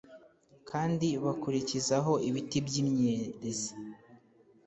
kandi bakurikizaho ibiti by’imyerezi